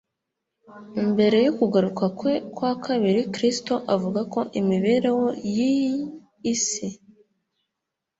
mbere yo kugaruka kwe kwa kabiri. Kristo avuga ko imibereho y'iyi si